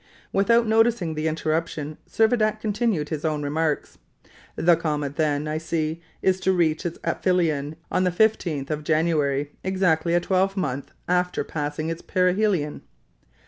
Without noticing the interruption, Servadac continued his own remarks, "The comet then, I see, is to reach its aphelion on the 15th of January, exactly a twelvemonth after passing its perihelion."